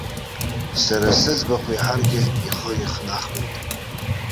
Сара сыӡбахә иаҳаргьы ихы ихнахуеит.